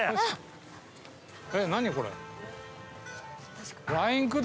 何これ？